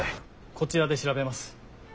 こちらで調べます。